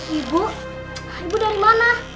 ibu ibu dari mana